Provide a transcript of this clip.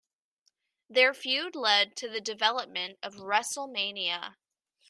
Their feud led to the development of WrestleMania.